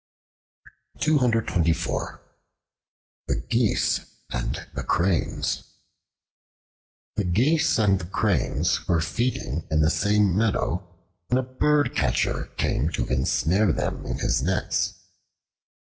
The Geese and the Cranes THE GEESE and the Cranes were feeding in the same meadow, when a birdcatcher came to ensnare them in his nets.